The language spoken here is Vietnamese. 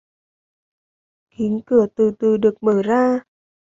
Kính cửa từ từ được mở ra